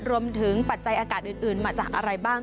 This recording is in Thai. ปัจจัยอากาศอื่นมาจากอะไรบ้าง